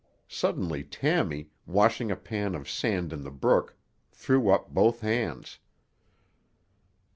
Suddenly Tammy, washing a pan of sand in the brook, threw up both hands.